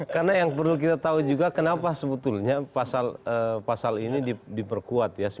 karena yang perlu kita tahu juga kenapa sebetulnya pasal ini diperkuat ya